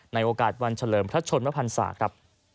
ในโอกาสวันเฉลิมพระชนมพันศาครับ